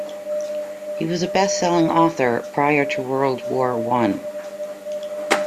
He was a best-selling author prior to World War One.